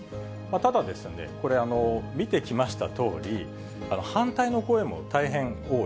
ただですね、これ、見てきましたとおり、反対の声も大変多い。